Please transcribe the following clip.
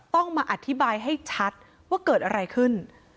ต้องมาอธิบายให้ชัดว่าเกิดอะไรขึ้น